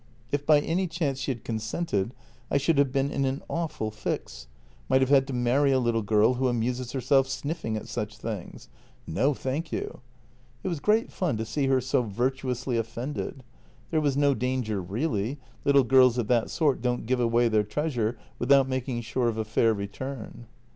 If by any chance she had consented, I should have been in an awful fix. Might have had to marry a little girl who amuses herself sniffing at such things — no, thank JENNY 243 you. It was great fun to see her so virtuously offended. There was no danger really — little girls of that sort don't give away their treasure without making sure of a fair return."